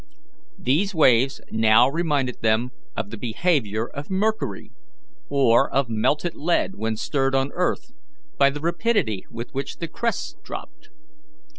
These waves now reminded them of the behaviour of mercury, or of melted lead when stirred on earth, by the rapidity with which the crests dropped.